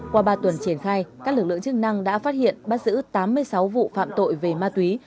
qua ba tuần triển khai các lực lượng chức năng đã phát hiện bắt giữ tám mươi sáu vụ phạm tội về ma túy